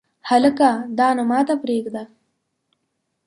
هلکه دا نو ماته پرېږده !